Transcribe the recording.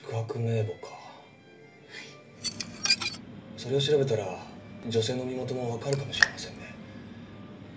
それを調べたら女性の身元もわかるかもしれませんね。